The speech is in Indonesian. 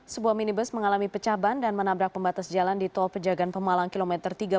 sebuah minibus mengalami pecah ban dan menabrak pembatas jalan di tol pejagaan pemalang kilometer tiga puluh